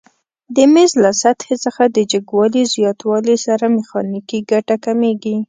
د میز له سطحې څخه د جګوالي زیاتوالي سره میخانیکي ګټه کمیږي؟